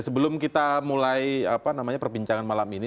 sebelum kita mulai perbincangan malam ini